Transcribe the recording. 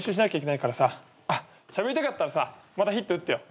あっしゃべりたかったらさまたヒット打ってよ。